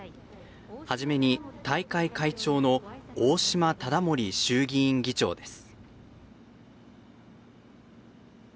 初めに大会会長の大島理森衆議院議長です。